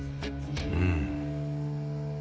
うん。